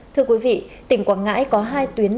thưa quý vị tỉnh quảng ngãi có hai tuyến